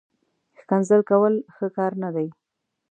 ښکنځل کول، ښه کار نه دئ